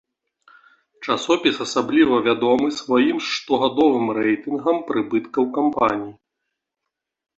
Часопіс асабліва вядомы сваім штогадовым рэйтынгам прыбыткаў кампаній.